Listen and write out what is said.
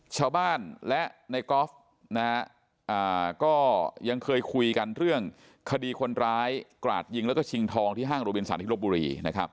ชาวบ้านและในกอล์ฟก็ยังเคยคุยกันเรื่องคดีคนร้ายกราดยิงแล้วก็ชิงทองที่ห้างโรบินสารที่ลบบุรี